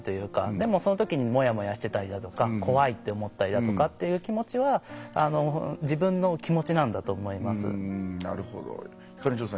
でも、そのときにもやもやしてたりだとか怖いって思ったりだとかっていう気持ちは自分の気持ちなんだと思います。